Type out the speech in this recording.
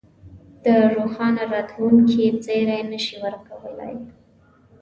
د روښانه راتلونکې زېری نه شي ورکولای.